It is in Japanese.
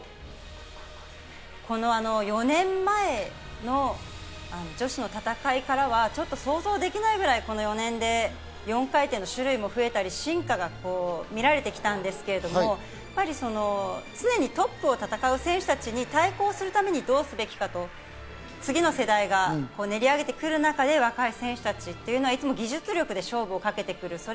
４年前の女子の戦いからはちょっと想像できないくらいこの４年で種類も増えたり、進化が見られたんですけど、常にトップで戦う選手たちに対抗するためにどうすべきか、次の世代が練り上げてくる中で若い選手たちというのは、いつも技術力で勝負をかけてくる。